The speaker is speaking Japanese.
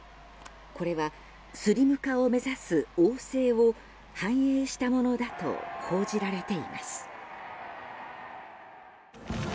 これはスリム化を目指す王政を反映したものだと報じられています。